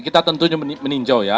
kita tentu meninjau ya